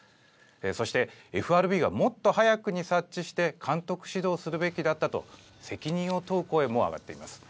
そして、ＦＲＢがもっと早くに察知して監督指導するべきだったと、責任を問う声も上がっています。